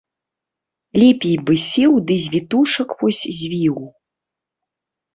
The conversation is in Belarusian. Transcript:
Лепей бы сеў ды з вітушак вось звіў.